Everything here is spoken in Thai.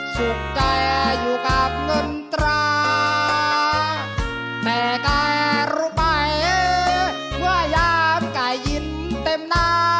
สุดใจอยู่กับเงินตราแต่แกรู้ไปเมื่อย้ำกายยิ้นเต็มหน้า